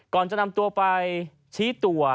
ก่อนจะนำตัวไปชี้ตัว